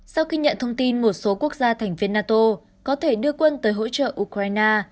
sau khi nhận thông tin một số quốc gia thành viên nato có thể đưa quân tới hỗ trợ ukraine